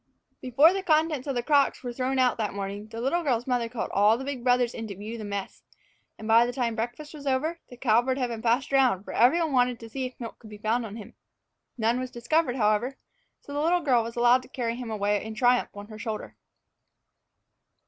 Before the contents of the crocks were thrown out that morning, the little girl's mother called all of the big brothers in to view the mess; and by the time breakfast was over, the cowbird had been passed around, for every one wanted to see if any milk could be found on him. None was discovered, however, so the little girl was allowed to carry him away in triumph on her shoulder.